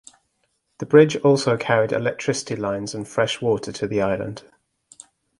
The bridge also carried electricity lines and fresh water to the island.